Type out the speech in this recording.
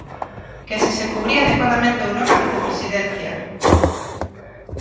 Que se se cubría adecuadamente ou non a Vicepresidencia.